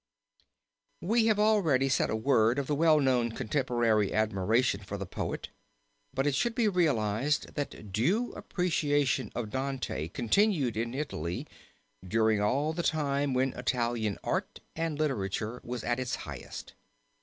We have already said a word of the well known contemporary admiration for the poet but it should be realized that due appreciation of Dante continued in Italy during all the time when Italian art and literature was at its highest.